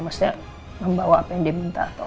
maksudnya membawa apa yang dia minta